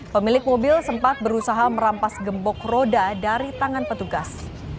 pemilik mobil sempat berusaha merampas gembok roda dari tangan petugas